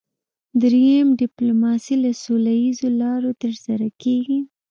دریم ډیپلوماسي له سوله اییزو لارو ترسره کیږي